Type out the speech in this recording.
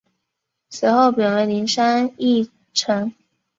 随后贬为麟山驿丞。